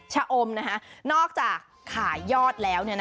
ชะอมนอกจากขายยอดแล้ว